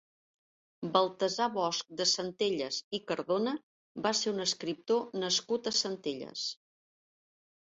Baltasar Bosc de Centelles i Cardona va ser un escriptor nascut a Centelles.